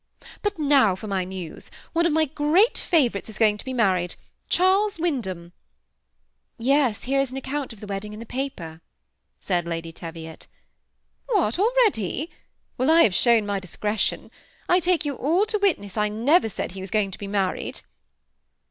"But now for my news. One of my great favorites is going to be mar ried — Charles Wyndham." "Yes, here is an account of the wedding in the paper," said Lady Teviot THE SEMI ATTACHED COUPLE. 127 " What, already ! Well, I have shown my discretion. I take 70U all to witness I never said he was going to be married